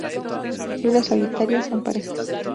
Flores solitarias o en parejas.